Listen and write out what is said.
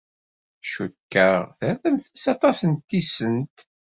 Cikkeɣ terramt-as aṭas n tisent.